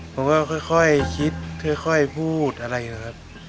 ผมก็ค่อยคิดค่อยพูดอะไรนะครับ